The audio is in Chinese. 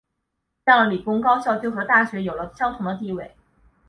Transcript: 这样理工高校就和大学有了相同的地位。